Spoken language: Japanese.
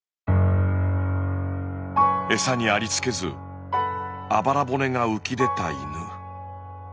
餌にありつけずあばら骨が浮き出た犬。